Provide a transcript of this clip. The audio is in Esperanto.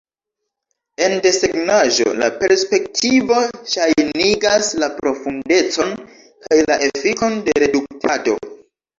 En desegnaĵo, la perspektivo ŝajnigas la profundecon kaj la efikon de reduktado.